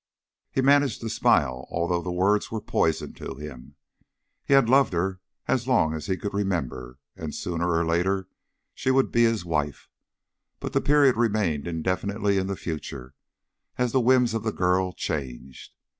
He managed to smile, although the words were poison to him. He had loved her as long as he could remember, and sooner or later she would be his wife, but the period remained indefinitely in the future as the whims of the girl changed.